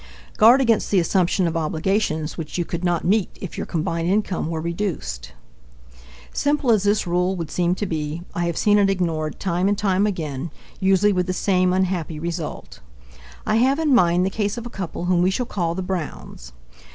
Guard against the assumption of obligations which you could not meet if your combined income were reduced. Simple as this rule would seem to be, I have seen it ignored time and time again, usually with the same unhappy result. I have in mind the case of a couple whom we shall call the Browns.